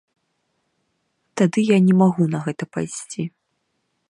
Тады я не магу на гэта пайсці.